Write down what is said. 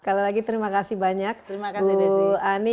sekali lagi terima kasih banyak bu ani